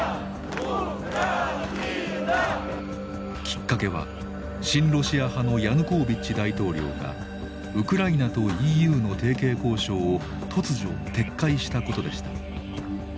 きっかけは親ロシア派のヤヌコービッチ大統領がウクライナとＥＵの提携交渉を突如撤回したことでした。